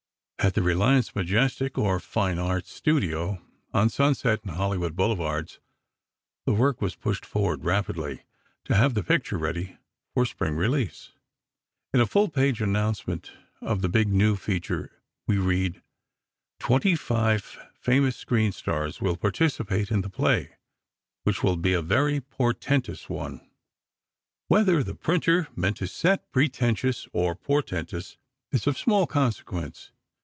At the Reliance Majestic, or Fine Arts studio, on Sunset and Hollywood Boulevards, the work was pushed forward rapidly, to have the picture ready for Spring release. In a full page announcement of the big, new feature, we read: "Twenty five famous screen stars will participate in the play, which will be a very 'portentous' one." Whether the printer meant to set "pretentious" or "portentous," is of small consequence.